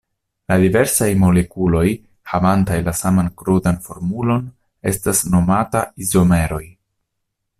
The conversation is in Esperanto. La diversaj molekuloj havantaj la saman krudan formulon estas nomataj izomeroj.